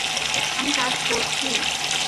আমি কাজ করছি।